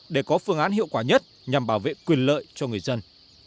để có phương án hiệu quả nhất nhằm bảo vệ quyền lợi cho người dân